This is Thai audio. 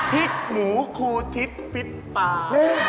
พริกหมูคูทิศฟิตปลา